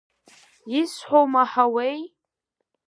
Исҳәо умаҳауеи?!